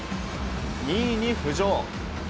２位に浮上。